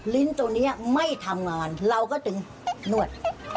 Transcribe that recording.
ลิ้นตัวนี้ไม่ทำงานเราก็จึงนวด